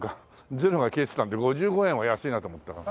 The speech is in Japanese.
ゼロが消えてたんで５５円は安いなと思った。